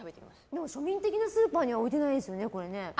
でも、庶民的なスーパーには置いてないですよね、これ。